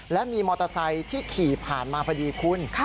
และมีมอเตอร์ไซค์ที่ขี่ผ่านมาพอดีคุณ